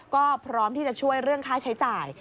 ก็พร้อมที่จะช่วยเรื่องค่าใช้จ่าย